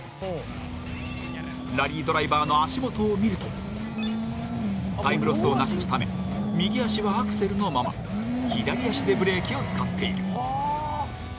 ラリードライバーの足元を見るとタイムロスをなくすため右足はアクセルのまま左足でブレーキを使っている。